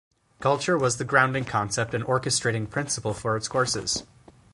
Culture was the grounding concept and orchestrating principle for its courses.